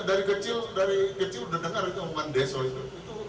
dari kecil dari kecil udah dengar itu oman deso itu